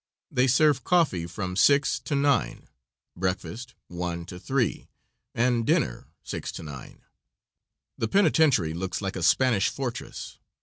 They serve coffee from 6 to 9, breakfast 1 to 3, and dinner 6 to 9. The penitentiary looks like a Spanish fortress.